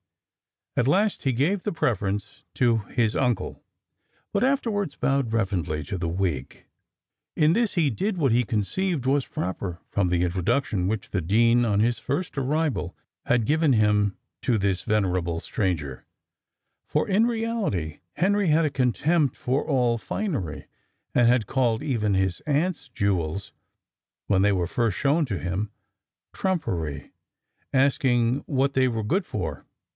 At last he gave the preference to his uncle, but afterwards bowed reverently to the wig. In this he did what he conceived was proper, from the introduction which the dean, on his first arrival, had given him to this venerable stranger; for, in reality, Henry had a contempt for all finery, and had called even his aunt's jewels, when they were first shown to him, "trumpery," asking "what they were good for?"